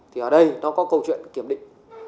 thì ở đây nó có câu chuyện kiểm định